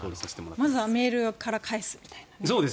まずはメールから返すみたいな。